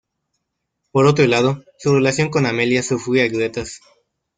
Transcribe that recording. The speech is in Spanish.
Por otro lado, su relación con Amelia sufría grietas.